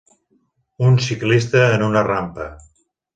Un ciclista en una rampa.